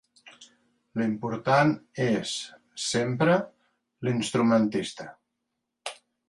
L'important és, sempre, l'instrumentista.